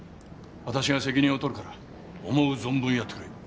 私が責任を取るから思う存分やってくれ。